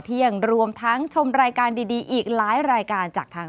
สวัสดีค่ะ